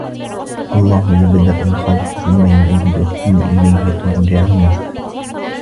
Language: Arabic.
اللَّهُ يَبْدَأُ الْخَلْقَ ثُمَّ يُعِيدُهُ ثُمَّ إِلَيْهِ تُرْجَعُونَ